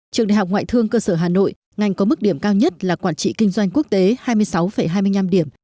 trường đại học ngoại thương cơ sở hà nội ngành có mức điểm cao nhất là quản trị kinh doanh quốc tế hai mươi sáu hai mươi năm điểm